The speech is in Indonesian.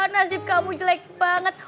nasib kamu jelek banget